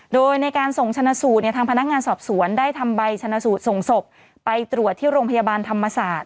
โดยในการส่งชนะสูตรทางพนักงานสอบสวนได้ทำใบชนะสูตรส่งศพไปตรวจที่โรงพยาบาลธรรมศาสตร์